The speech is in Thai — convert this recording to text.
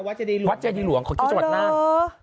วัดเจดีหลวงของที่จังหวัดน่าน